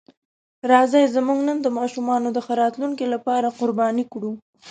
راځئ زموږ نن د ماشومانو د ښه راتلونکي لپاره قرباني کړو.